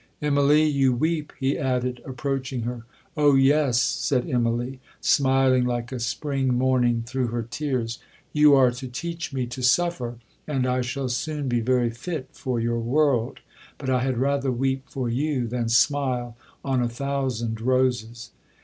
'Immalee, you weep,' he added, approaching her. 'Oh yes!' said Immalee, smiling like a spring morning through her tears; 'you are to teach me to suffer, and I shall soon be very fit for your world—but I had rather weep for you, than smile on a thousand roses.'